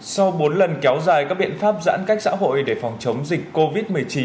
sau bốn lần kéo dài các biện pháp giãn cách xã hội để phòng chống dịch covid một mươi chín